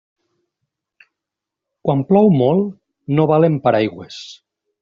Quan plou molt no valen paraigües.